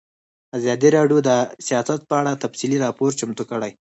ازادي راډیو د سیاست په اړه تفصیلي راپور چمتو کړی.